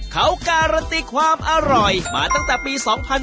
เขาการันตีความอร่อยมาตั้งแต่ปี๒๕๕๙